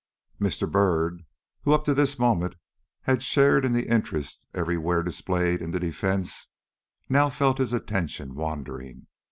Mr. Byrd, who up to this moment had shared in the interest every where displayed in the defence, now felt his attention wandering.